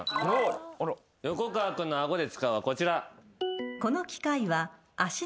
横川君の「あごで使う」はこちら。